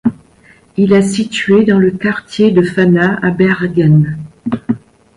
Il est situé dans le quartier de Fana à Bergen.